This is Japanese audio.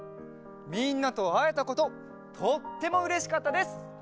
みんなとあえたこととってもうれしかったです。